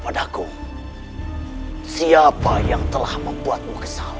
pertama yang siap biro